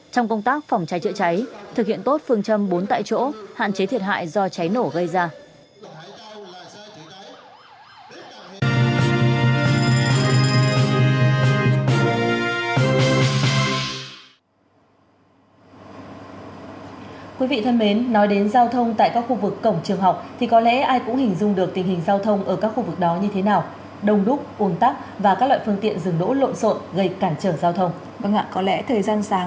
trong công tác phòng cháy chữa cháy thực hiện tốt phương châm bốn tại chỗ hạn chế thiệt hại do cháy nổ gây ra